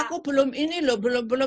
aku belum ini loh